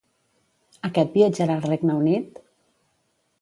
Aquest viatjarà al Regne Unit?